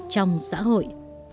trong xã hội